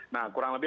nah kurang lebih